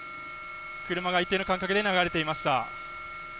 車が一定の間隔で流れていました。